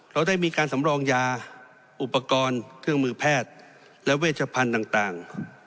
เราได้มีการสำรองยาอุปกรณ์เครื่องมือแพทย์และเวชพันธุ์ต่าง